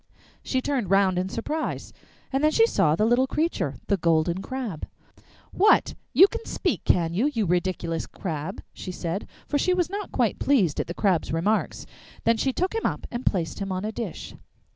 She turned round in surprise, and then she saw the little creature, the Golden Crab. 'What! You can speak, can you, you ridiculous crab?' she said, for she was not quite pleased at the Crab's remarks. Then she took him up and placed him on a dish.